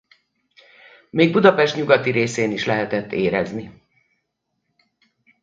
Még Budapest nyugati részén is lehetett érezni.